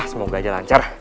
semoga aja lancar